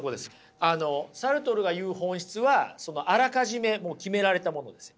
あのサルトルが言う本質はあらかじめ決められたものですよ。